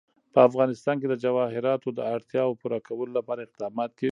په افغانستان کې د جواهرات د اړتیاوو پوره کولو لپاره اقدامات کېږي.